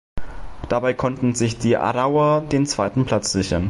Dabei konnten sich die Aarauer den zweiten Platz sichern.